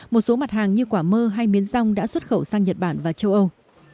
một số mặt hàng như quả mơ hay miến rong đã xuất khẩu sang nhật bản và châu âu